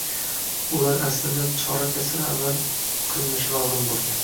Bular aslida chorak asr avval qilinishi lozim boʻlgan